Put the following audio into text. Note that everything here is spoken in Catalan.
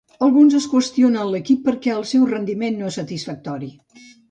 Alguns es qüestionen l'equip perquè el seu rendiment no és satisfactori.